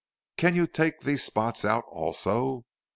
"Can you take these spots out also?